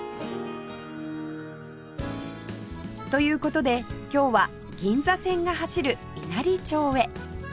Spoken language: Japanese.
という事で今日は銀座線が走る稲荷町へ